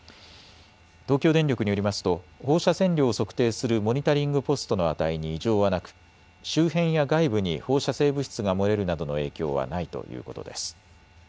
東京電力によりますと放射線量を測定するモニタリングポストの値に異常はなく周辺や外部に放射性物質が漏れるなどの影響はないということです。